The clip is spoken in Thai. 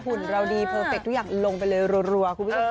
คุณสามีมีแล้ว